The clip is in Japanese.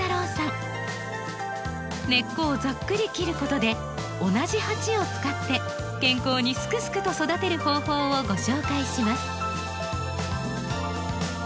根っこをざっくり切ることで同じ鉢を使って健康にすくすくと育てる方法をご紹介します。